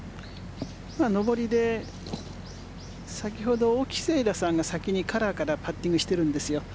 上りで先ほど沖せいらさんが先にカラーからパッティングしているんです。